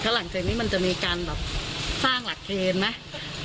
หลังจากนี้มันจะมีการแบบสร้างหลักเกณฑ์ไหม